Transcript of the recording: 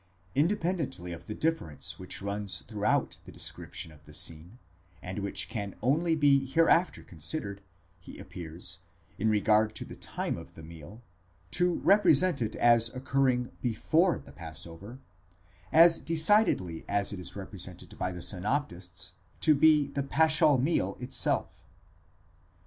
Independently of the difference which runs throughout the description of the scene, and which can only be hereafter considered, he appears, in regard to the time of the meal, to represent it as occurring before the passover, as decidedly as it is represented by the synop tists to be the paschal meal itself.